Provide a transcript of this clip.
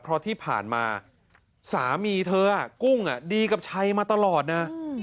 เพราะที่ผ่านมาสามีเธอกุ้งดีกับชัยมาตลอดนะ